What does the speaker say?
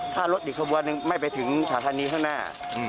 ถ้ารถอีกสัปดาห์นึงไม่ไปถึงถาธานนี้ข้างหน้า